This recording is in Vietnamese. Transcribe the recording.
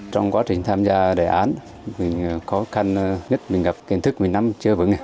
trong quá trình tham gia đề án mình khó khăn nhất mình gặp kiến thức mình nắm chưa vững